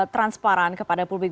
transparan kepada publik